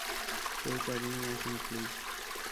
কেউ চাবি নিয়ে আসুন প্লিজ?